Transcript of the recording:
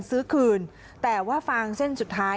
ซื้อคืนแต่ว่าฟางเส้นสุดท้าย